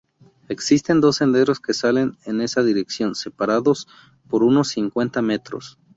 Existen dos senderos que salen en esa dirección, separados por unos cincuenta metros.